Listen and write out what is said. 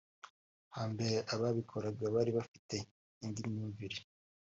Hambere ababikoraga bari bafite indi myumvire